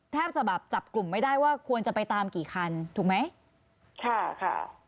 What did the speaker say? แทบจะแบบจับกลุ่มไม่ได้ว่าควรจะไปตามกี่คันถูกไหมค่ะค่ะ